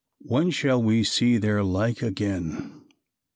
When shall we see their like again?